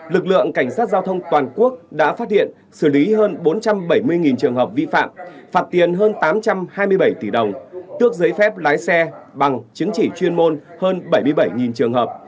lực lượng cảnh sát giao thông toàn quốc đã phát hiện xử lý hơn bốn trăm bảy mươi trường hợp vi phạm phạt tiền hơn tám trăm hai mươi bảy tỷ đồng tước giấy phép lái xe bằng chứng chỉ chuyên môn hơn bảy mươi bảy trường hợp